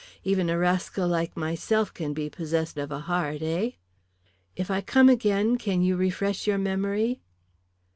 Even a rascal like myself can be possessed of a heart, eh?" "If I come again can you refresh your memory?"